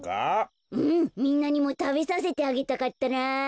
うんみんなにもたべさせてあげたかったなぁ。